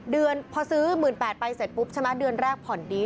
เดือนพอซื้อ๑๘๐๐ไปเสร็จปุ๊บใช่ไหมเดือนแรกผ่อนดี